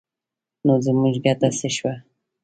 نو زموږ ګټه څه شوه؟